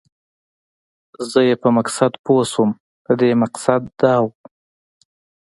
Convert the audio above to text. زه یې په مقصد پوه شوم، د دې مقصد دا و.